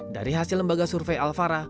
dari hasil lembaga survei alfara